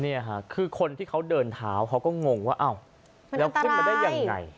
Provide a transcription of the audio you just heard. นี่ค่ะคือคนที่เขาเดินเท้าเขาก็งงว่าอ้าวแล้วขึ้นมาได้ยังไง